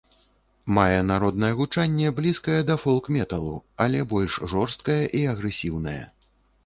Мае народнае гучанне, блізкае да фолк-металу, але больш жорсткае і агрэсіўнае.